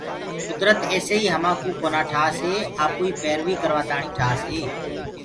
ڪدرت ايسي همآنٚ ڪوُ ڪونآ ٺآسيِ آپوئيٚ پيرويٚ ڪروآ تآڻيٚ ٺآسي